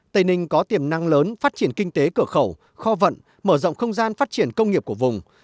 tây ninh có tiềm năng lớn phát triển kinh tế cửa khẩu kho vận mở rộng không gian phát triển công nghiệp của vùng